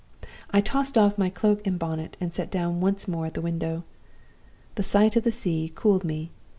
I tossed off my cloak and bonnet, and sat down once more at the window. The sight of the sea cooled me.